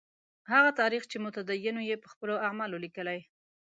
هغه تاریخ چې متدینو یې په خپلو اعمالو لیکلی.